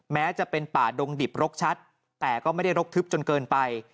แม้จะเป็นป่าดงดิบรกชัดแต่ก็ไม่ได้รกทึบจนเกินไป